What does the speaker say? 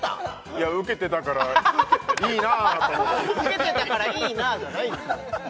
いやウケてたからいいなと思ってウケてたからいいなじゃないんですよ